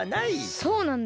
そうなんだ。